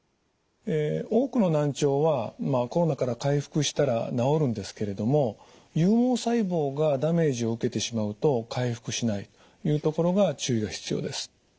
多くの難聴はコロナから回復したら治るんですけれども有毛細胞がダメージを受けてしまうと回復しないというところが注意が必要です。